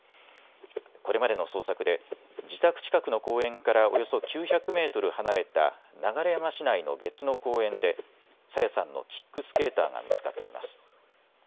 これまでの捜索で自宅近くの公園からおよそ９００メートル離れた流山市内の別の公園で朝芽さんのキックスケーターが見つかっています。